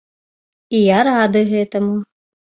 І я рады гэтаму.